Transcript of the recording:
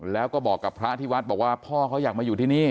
แล้วก็บอกกับพระที่วัดบอกว่าพ่อเขาอยากมาอยู่ที่นี่